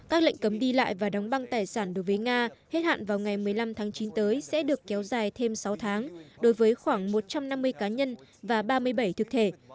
các lệnh cấm đi lại và đóng băng tài sản đối với nga hết hạn vào ngày một mươi năm tháng chín tới sẽ được kéo dài thêm sáu tháng đối với khoảng một trăm năm mươi cá nhân và ba mươi bảy thực thể